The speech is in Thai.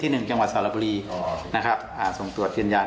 ที่๑จังหวัดสลับุรีส่งตรวจพิจัย